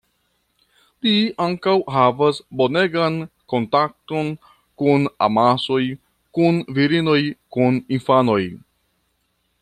Li ankaŭ havas bonegan kontakton kun amasoj, kun virinoj, kun infanoj.